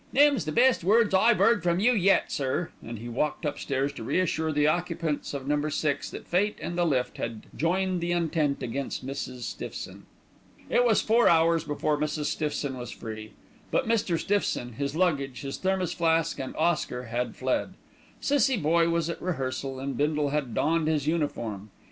"Them's the best words I've 'eard from you yet, sir"; and he walked upstairs to reassure the occupants of Number Six that fate and the lift had joined the Entente against Mrs. Stiffson. It was four hours before Mrs. Stiffson was free; but Mr. Stiffson, his luggage, his thermos flask and Oscar had fled. Cissie Boye was at rehearsal and Bindle had donned his uniform.